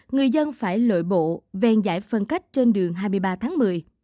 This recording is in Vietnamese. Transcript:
người dân phải lội bộ ven giải phân cách trên đường hai mươi ba tháng một mươi